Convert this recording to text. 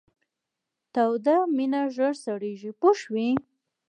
توده مینه ژر سړیږي پوه شوې!.